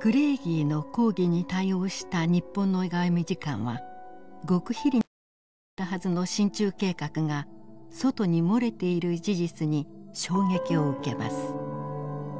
クレイギーの抗議に対応した日本の外務次官は極秘裏に進めていたはずの進駐計画が外に漏れている事実に衝撃を受けます。